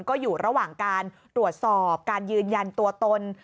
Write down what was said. ก็อยู่ระหว่างการตรวจสอบการยืนยันตัวตน